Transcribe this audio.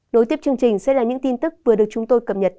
nối tiếp chương trình sẽ là những tin tức vừa được chúng tôi cập nhật